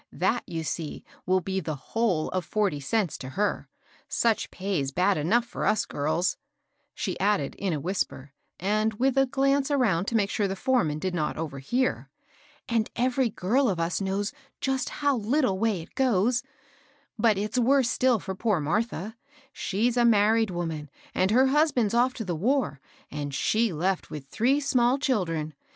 That, you see, will be the whole of forty cents to her 1 Such pay's bad enough for us girls," she added, in a whisper, and with a glance around to make sure the foreman did not overhear, —and every girl of us knows just how httle way it goes, — but it's worse still for poor Martha ; for she's a married woman, and her husband's off to the war, and she left with three small children.